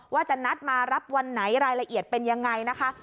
ว่าจะนัดมารับวันไหนรายละเอียดเป็นยังไงนะคะ